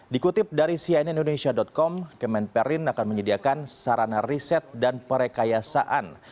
dikutip dari cnnindonesia com kemenperin akan menyediakan sarana riset dan perkayasaan